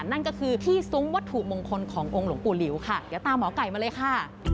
นั่นก็คือที่ซุ้มวัตถุมงคลขององค์หลวงปู่หลิวค่ะเดี๋ยวตามหมอไก่มาเลยค่ะ